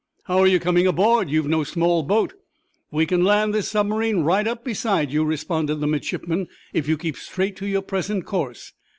"How are you coming, aboard? You've no small boat." "We can land this submarine right up beside you," responded the midshipman, "if you keep straight to your present course."